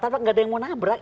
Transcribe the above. nggak ada yang mau nabrak